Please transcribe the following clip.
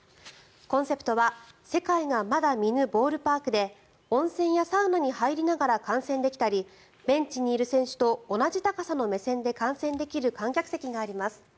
コンセプトは「世界がまだ見ぬボールパーク」で温泉やサウナに入りながら観戦できたりベンチにいる選手と同じ高さの目線で観戦できる観客席があります。